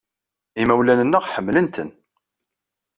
Imawlan-nneɣ ḥemmlen-ten.